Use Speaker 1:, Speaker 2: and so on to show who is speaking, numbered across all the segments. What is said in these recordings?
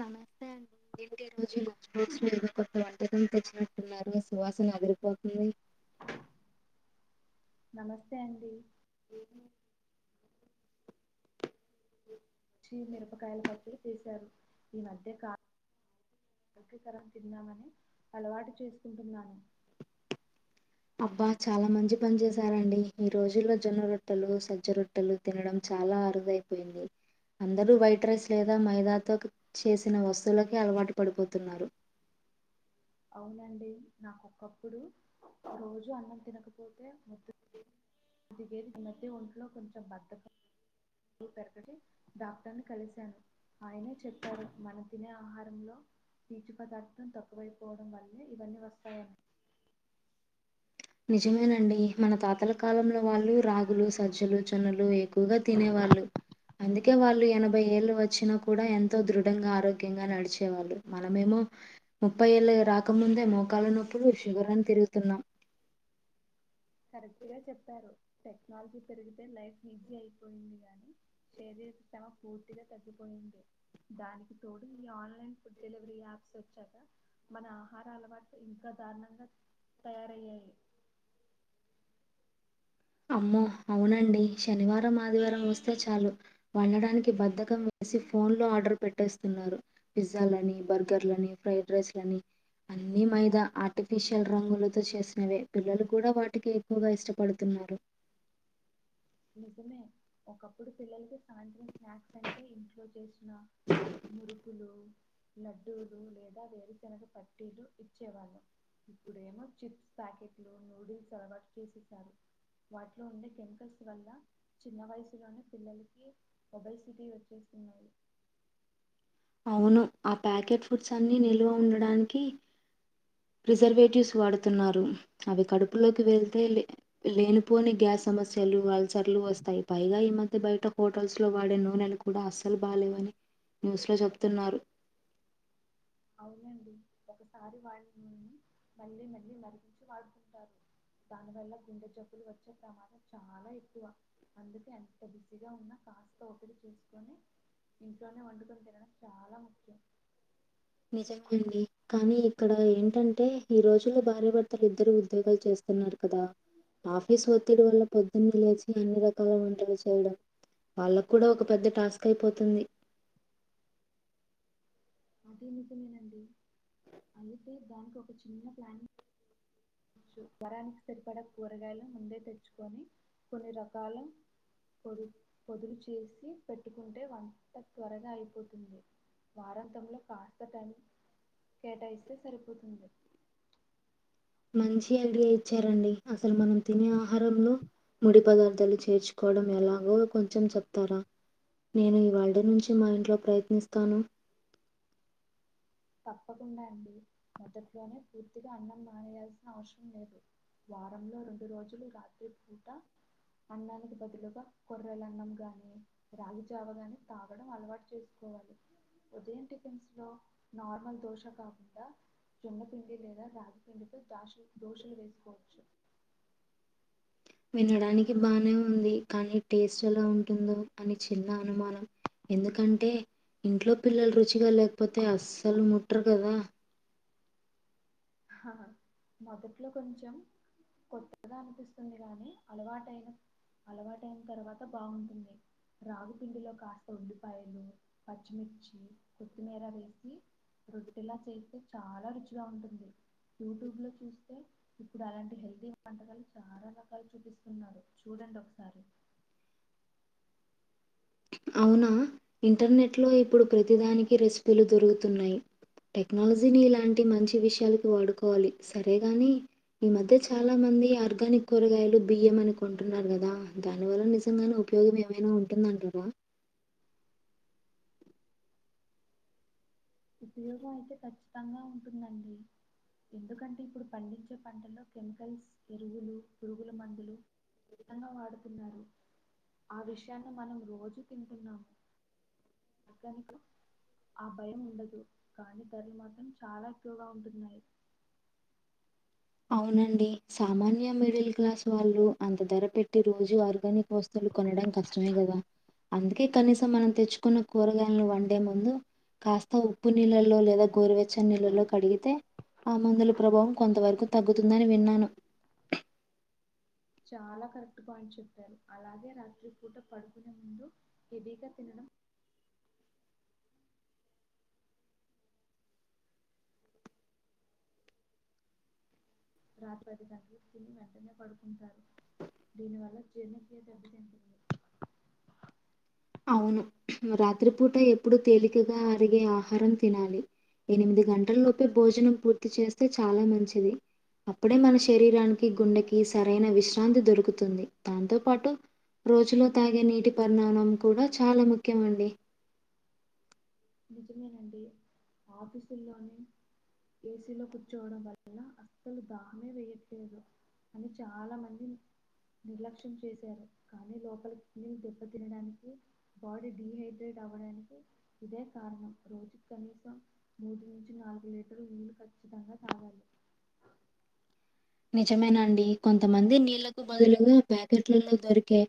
Speaker 1: నమస్తే అండి. ఏంటి ఈ రోజు లంచ్ బాక్స్ లో, ఏదో కొత్త వంటకం తెచ్చినట్టున్నారు. సువాసన అదిరిపోతుంది.
Speaker 2: నమస్తే అండి.
Speaker 1: ఉ ఉ
Speaker 2: చి మిరపకాయల పచ్చడి. చేశారు. ఈ మధ్య కా ఆరోగ్యకరం తిందామని అలవాటు చేసుకుంటున్నాను.
Speaker 1: అబ్బా చాలా మంచి పని చేసారండి. ఈ రోజుల్లో జొన్న రొట్టెలు. సజ్జ రొట్టె. రొట్టెలు తినడం చాలా అరుదైపోయింది అందరూ వైట్ రైస్ లేదా మైదాతో చేసిన వస్తువులకే. అలవాటు పడిపోతున్నారు.
Speaker 2: అవునండి నాకు ఒక్కప్పుడు రోజు అన్నం తినకపోతే ముద్ద. అందుకే ఈ మధ్య ఒంట్లో కొంచెం బద్దకం. నేన్ పెద్దటి డాక్టర్ ని కలిశాను. ఆయనే చెప్పారు మనం తినే ఆహారంలో. పీచు పదార్థం తక్కువైపోవడం వల్లే, ఇవన్నీ వస్తాయట.
Speaker 1: నిజమేనండి మన తాతల కాలంలో. వాళ్ళు రాగులు సజ్జలు జోన్నలు ఎక్కువగా తినే వాళ్ళు. అందుకే వాళ్ళు ఎనభై ఏళ్ళు వచ్చినా కూడా ఎంతో దృఢంగా ఆరోగ్యంగా నడిచేవాళ్ళు. మనమేమో. ముప్పై ఏళ్ళు రాకముందే మోకాల్ల నొప్పులు. షుగర్ అని తిరుగుతున్నాం
Speaker 2: కరెక్ట్ గా చెప్పారు. టెక్నాలజీ పెరిగితే లైఫ్ ఈజీ అయిపోయింది గాని, శరీర శ్రమ పూర్తిగా తగ్గిపోయింది. దానికి తోడు ఈ ఆన్లైన్ ఫుడ్ డెలివరీ యాప్స్ వచ్చాకా. మన ఆహార అలవాట్లు ఇంకా దారుణంగా తయారయ్యాయి.
Speaker 1: అమ్మో అవునండి శనివారం, ఆదివారం వస్తే చాలు. వండడానికి బద్దకం వేసి. ఫోన్ లో ఆర్డర్ పెట్టేస్తున్నారు. పిజ్జాలని బర్గర్ లని ఫ్రైడ్ రైస్ లని. అన్ని మైదా ఆర్టిఫిషియల్ రంగులతో చేసినవే. పిల్లలు కూడా వాటికే ఎక్కువగా ఇష్టపడుతున్నారు.
Speaker 2: నిజమే ఒకప్పుడు పిల్లలకి సాయంత్రం. స్నాక్స్ అంటే, ఇంట్లో చేసిన మురుకులు. లడ్డులు లేదా వేరుశనగ పట్టీలు ఇచ్చేవాళ్ళం. ఇప్పుడేమో చిప్స్ ప్యాకెట్లు నూడుల్స్ అలవాటు చేసేసారు. వాటిలో ఉండే కెమికల్స్. వల్ల చిన్న వయసులోనే పిల్లలకి ఓబయ్ సిటీ వచ్చేస్తుందండి.
Speaker 1: అవును ఆ ప్యాకెట్ ఫుడ్స్ అన్ని నిల్వ ఉండడానికి. ప్రిజర్వేటివ్స్ వాడుతున్నారు. అవి కడుపులోకి వెళ్తేలే. లేనిపోని గ్యాస్ సమస్యలు అలసర్లు వస్తాయి పైగా ఈ మ. ఐతే బయట హోటల్స్ లో వాడే నూనెలు కూడా అస్సలు బాగోలేేవని న్యూస్ లో చెప్తున్నారు.
Speaker 2: అవునండి ఒకసారి వాడిన నూనెను మళ్ళీ మళ్ళీ మరిగించి వాడుకుంటారు. దాని వల్ల గుండె జబ్బులు వచ్చే ప్రమాదం చాలా ఎక్కువ. అందుకే ఎంత బిజీగా ఉన్నా కాస్త ఓపిక చేసుకొని. ఇంట్లోనే వండుకని తినడం చాలా ముఖ్యం.
Speaker 1: నిజమే నండి కానీ ఇక్కడ ఏంటంటే. ఈ రోజు. భార్యభర్తలు ఇద్దరు ఉద్యోగాలు చేస్తున్నారు కదా ఆఫీస్ ఒత్తిడి వల్ల పొద్దున్న లేచి ఎన్ని రకాల వంటలు చేయడం వాళ్ళ కూడా ఒక పెద్ద టాస్క్ అయిపోతుంది
Speaker 2: అదే నిజమేనండి అయితే దానికి ఒక చిన్న ప్లానింగ్ వారానికి సరిపడ కూరగాయలు ముందే తెచ్చుకొని కొన్ని రకాల పొదుపూ పొదుపు చేసి పెట్టుకుంటే వంట త్వరగా అయిపోతుంది వారాంతంలో కాస్త టైం కేటాయిస్తే సరిపోతుంది
Speaker 1: మంచి ఐడియా ఇచ్చారండి అసలు మనం తినే ఆహారంలో ముడి పదార్థాలు చేర్చు కోవడం ఎలాగో కొంచెం చెప్తారా నేను ఈవాల్టి నుంచి మా ఇంట్లో ప్రయత్నిస్తాను
Speaker 2: తప్పకుండా అండి మొదట్లోనే పూర్తిగా అన్నం మానేయాల్సిన అవసరం లేదు వారంలో రెండు రోజులు రాత్రి పూట అన్నానికి బదులుగా కొర్రెల అన్నం గాని రాగి జావగాని తాగడం అలవాటు చేసుకోవాలి ఉదయం టిఫిన్స్ లో నార్మల్ దోశ కాకుండా జొన్నపిండి లేదా రాగిపిండితో దాష దోశలు వేసుకోవచ్చు
Speaker 1: వినడానికి బానే ఉంది కానీ టేస్ట్ ఎలా ఉంటుందో అని చిన్న అనుమానం ఎందుకంటే ఇంట్లో పిల్లలు రుచిగా లేకపోతే అస్సలు ముట్టరు కదా
Speaker 2: మొదట్లో కొంచెం కొత్తగా అనిపిస్తుంది గానీ అలవాటయిన అలవాటయిన తర్వాత బాగుంటుంది రాగుపిండిలో కాస్త ఉల్లిపాయలు పచ్చిమిర్చి కొత్తిమీర వేసి రొట్టలా చేస్తే చాలా రుచిగా ఉంటుంది యూట్యూబ్ లో చూస్తే ఇప్పుడు అలాంటి హెల్తీ వంటకాలు చాలా రకాలు చూపిస్తున్నారు చూడండి ఒకసారి
Speaker 1: అవునా ఇంటర్నెట్లో ఇప్పుడు ప్రతిదానికి రెసిపీలు దొరుకుతున్నాయి టెక్నాలజీని ఇలాంటి మంచి విషయాలకు వాడుకోవాలి సరేగాని ఈ మధ్య చాలా మంది ఆర్గానిక్ కూరగాయలు బియ్యం అనికుంటున్నారు కదా దాని వల్ల నిజంగానే ఉపయోగం ఏమైనా ఉంటుందంటారా
Speaker 2: ఉపయోగం అయితే ఖచ్చితంగా ఉంటుందండి ఎందుకంటే ఇప్పుడు పండించే పంటల్లో కెమికల్స్ ఎరువులు పురుగుల మందులు అన్నం వాడుతున్నారు ఆ విషయాన్ని మనం రోజూ తింటున్నాము ఆ భయము ఉండదు కానీ ధరలు మాత్రం చాలా ఎక్కువగా ఉంటున్నాయి
Speaker 1: అవునండి సామాన్య మిడిల్ క్లాస్ వాళ్ళు అంత ధర పెట్టి పెట్టీ రోజు ఆర్గానిక్ వస్తువులు కొనడం కష్టమే కదా అందుకే కనీసం మనం తెచ్చుకున్న కూరగాయలును వన్డే ముందు కాస్త ఉప్పు నీళ్ళల్లో లేదా గోరువెచ్చని నీళ్ళల్లో కడిగితే ఆ మందుల ప్రభావం కొంతవరకు తగ్గుతుందని విన్నాను
Speaker 2: చాలా కరెక్ట్ పాయింట్ చెప్పారు అలాగే రాత్రి పూట పడుకునే ముందు హెవీగా తినడం రాత్రి పది గంటలుకు తిని వెంటనే పడుకుంటారు దీనివల్ల జీర్ణకీయ దెబ్బతింటుంది
Speaker 1: అవును రాత్రిపూట ఎప్పుడు తేలికగా అరిగే ఆహారం తినాలి ఎనిమిది గంటల లోపే భోజనం పూర్తి చేస్తే చాలా మంచిది అప్పుడే మన శరీరానికి గుండెకి సరైన విశ్రాంతి దొరుకుతుంది దాంతో పాటు రోజులో తాగే నీటి పరిణామం కూడా చాలా ముఖ్యమ అండి
Speaker 2: నిజమేనండి ఆఫీసుల్లోని ఏసీలో కూర్చోవడం వల్ల అసలు దామే వేయట్లేదు అని చాల మంది నిర్లక్ష్యం చేశారు కానీ లోపలికి దెబ్బ తినడానికి బాడీ డిహైడ్రేట్ అవ్వడానికి ఇదే కారణం రోజుకి కనీసం మూడు నుంచి నాలుగు లీటర్ నీళ్ళలు ఖచ్చితంగా తాగాలి
Speaker 1: నిజమే అండి కొంతమంది నీళ్లకు బదులుగా ప్యాకెట్లలో దొరికే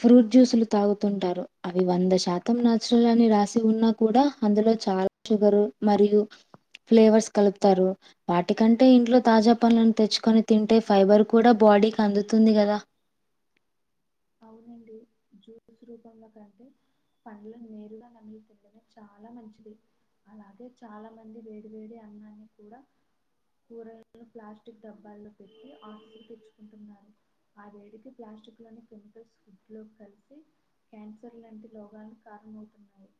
Speaker 1: ఫ్రూట్ జ్యూసులు తాగుతుంటారు అవి వంద శాతం నాచురల్ అని రాసి ఉన్నా కూడా అందులో చాల షుగరు మరియు ఫ్లేవర్స్ కలుపుతారు వాటికంటే ఇంట్లో తాజ పండ్లను తెచ్చుకొని తింటే ఫైబర్ కూడా బాడీకి అందుతుంది కదా
Speaker 2: అవునండి జ్యూస్ రూపంలో కంటే పండ్లు నేరుగా నమిలి తినడమే చాల మంచిది అలాగే చాల మంది వేడి వేడి అన్నాన్ని కూడ కూరలను ప్లాస్టిక్ డబ్బాల్లో పెట్టి [unintelligible] తెచ్చుకుంటున్నారు ఆ వేడికి ప్లాస్టిక్ లోని ఫుడ్ లో కలిసి క్యాన్సర్ లాంటి రోగాలకు కారణమవుతున్నాయి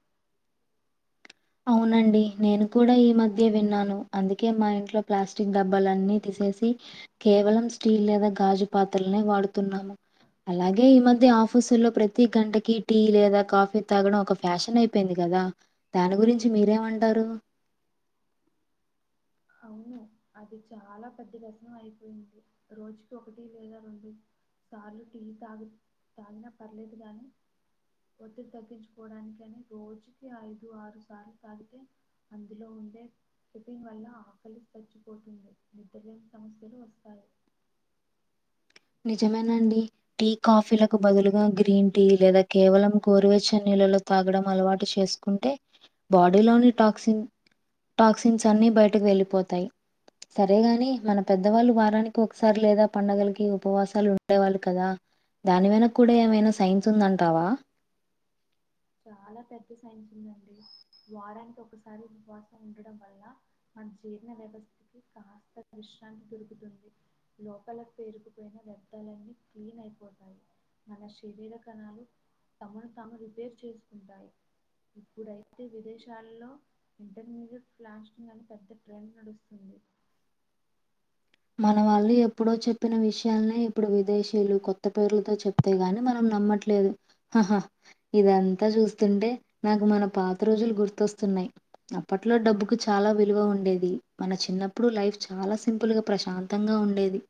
Speaker 1: అవునండి నేను కూడ ఈ మధ్యే విన్నాను అందుకే మా ఇంట్లో ప్లాస్టిక్ డబ్బాలన్నీ తీసేసి కేవలం స్టీల్ లేదా గాజు పాత్రలనే వాడుతున్నాము అలాగే ఈ మధ్య ఆఫీసుల్లో ప్రతి గంటకి టీ లేదా కాఫీ తాగడం ఒక ఫ్యాషన్ [unintelligible] కదా దాని గురించి మీరేమంటారు
Speaker 2: అవును అది చాల పెద్ద వేసనం అయిపోయింది రోజుకి ఒకటి లేదా రెండు సార్లు టీ తాగు తాగినా పర్లేదు గాని ఒత్తిడి తగ్గించుకోవడానికి అని రోజుకి ఐదు ఆరు సార్లు తాగితే అందులో ఉండే [unintelligible] వల్ల ఆకలి చచ్చిపోతుంది నిద్రలేని సమస్యలు వస్తాయి
Speaker 1: నిజమేనండి టీ కాఫీలకు బదులుగా గ్రీన్ టీ లేదా కేవలం గోరివేచ్చ నీళ్ళలో తాగడం అలవాటు చేసు ఉంటే బాడీలోని టాక్సిన్ టాక్సిన్స్ అన్ని బయటకు వెళ్ళిపోతాయ్ సరేగాని మన పెద్దవాళ్ళు వారానికి ఒకసారి లేదా పండగలకి ఉపవాసాలు ఉండేవాళ్ళు కదా దాని వెనక కూడ ఏమైనా సైన్స్ ఉందంటావా
Speaker 2: చాలా పెద్ద సైన్స్ ఉందండి వారానికి ఒకసారి కోసం ఉపవాసం ఉండడం వల్ల మన జీర్ణ వ్యవస్థకి కాస్త విశ్రాంతి దొరుకుతుంది లోపలకు పేరుకుపోయిన వ్యర్థాలన్నీ క్లీన్ అయిపోతాయ్ మన శరీర కణాలు తమను తాము రిపేర్ చేసుకుంటాయ్ ఇప్పుడైతే విదేశాల్లో ఇంటర్మీడియట్ ఫ్లాస్టింగ్ అని పెద్ద ట్రెండ్ నడుస్తుంది
Speaker 1: మన వాళ్ళు ఎప్పుడో చెప్పిన విషయాలనే ఇప్పుడు విదేశీయులు కొత్త పేర్లతో చెప్ అంతే గాని మనం నమ్మట్లేదు ఆహా ఇదంతా చూస్తుంటే నాకు మన పాత రోజులు గుర్తొస్తునాయ్ అప్పట్లో డబ్బుకు చాల విలువ ఉండేది మన చిన్నప్పుడు లైఫ్ చాలా సింపుల్ గా ప్రశాంతంగ ఉండేది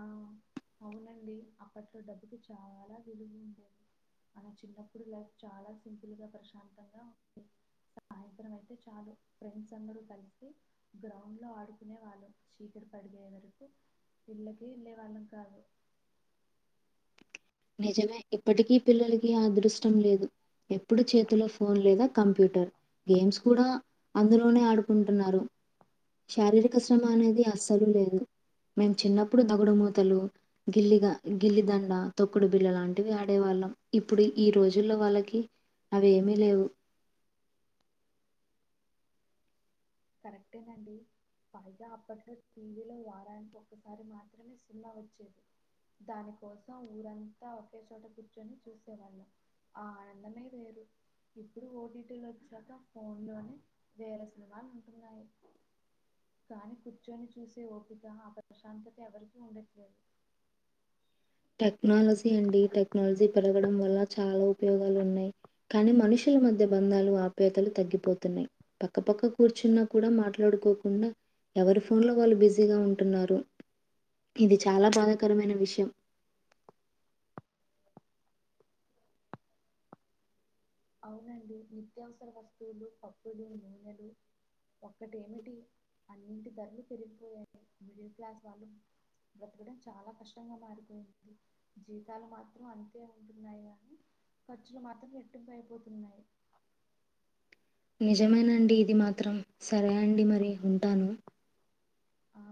Speaker 2: ఆ అవునండి అప్పట్లో డబ్బులు చాల విలువ ఉండే మన చిన్నప్పుడు లైఫ్ చాల సింపుల్ గా ప్రశాంతంగా ఉంది సాయంత్రం అయితే చాలు ఫ్రెండ్స్ అందరూ కలిసి గ్రౌండ్ లో ఆడుకునే వాళ్ళు చీకటి పడిపోయే వరకు ఇళ్ళకే వెళ్ళే వాళ్ళం కాదు
Speaker 1: నిజమే ఇప్పటికీ పిల్లలకి ఆ అదృష్టం లేదు ఎప్పుడూ చేతిలో ఫోన్ లేదా కంప్యూటర్ గేమ్స్ కూడా అందులోనే ఆడుకుంటున్నారు శారీరక శ్రమ అనేది అస్సలు లేదు మేము చిన్నప్పుడు దగుడుమూతలు గిల్లిగా గిల్లిదండ తొక్కుడు బిళ్ల లాంటివి ఆడేవాళ్ళం ఇప్పుడు ఈ రోజుల్లో వాళ్ళకి అవి ఏమీ లేవు
Speaker 2: కరెక్టే నండి పైగా అప్పట్లో టీ వీ లో వారానికి ఒకసారి మాత్రమే సినిమా వచ్చేది దాని కోసం ఊరంతా ఒకే చోట కూర్చొని చూసేవాళ్ళం ఆ ఆనందమే వేరు ఇప్పుడు ఓ టీ టీ లొచ్చాక ఫోన్ లోనే వేల సినిమాలు ఉంటున్నాయి కానీ కూర్చొని చూసే ఓపిక ఆ ప్రశాంతత ఎవరికీ ఉండట్లేదు
Speaker 1: టెక్నాలజీ అండి టెక్నాలజీ పెరగడం వల్ల చాలా ఉపయోగాలు ఉన్నాయి కానీ మనుషుల మధ్య బంధాలు ఆప్యాయతలు తగ్గిపోతున్నాయి పక్కపక్క కూర్చున్నా కూడా మాట్లాడుకోకుండా ఎవరి ఫోన్ లో వాళ్ళు బిజీగా ఉంటున్నారు ఇది చాలా బాధాకరమైన విషయం
Speaker 2: అవునండి నిత్యావసర వస్తువులు పప్పులు నూనెలు ఒక్కటేమిటి అన్నింటి ధరలు పెరిగిపోయాయి మిడిల్ క్లాస్ వాళ్ళు బ్రతకడం చాలా కష్టంగా మారిపోయింది జీతాలు మాత్రం అంతే ఉంటున్నాయి గానీ ఖర్చులు మాత్రం రెట్టింపు అయిపోతున్నాయి
Speaker 1: నిజమేనండి ఇది మాత్రం సరే అండి మరి ఉంటాను
Speaker 2: ఆ